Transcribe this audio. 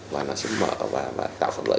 và nó sẽ mở và tạo phần lợi